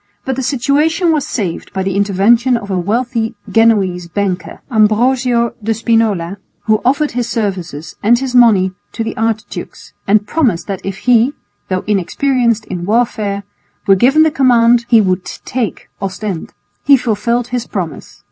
But the situation was saved by the intervention of a wealthy Genoese banker, Ambrosio de Spinola, who offered his services and his money to the archdukes and promised that if he, though inexperienced in warfare, were given the command, he would take Ostend. He fulfilled his promise.